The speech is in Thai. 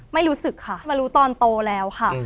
ไม่รู้สึกค่ะมารู้ตอนโตแล้วค่ะ